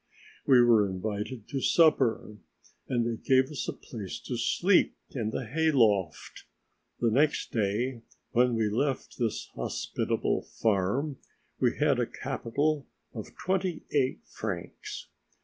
We were invited to supper, and they gave us a place to sleep in the hay loft. The next day when we left this hospitable farm we had a capital of twenty eight francs!